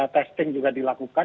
testing juga dilakukan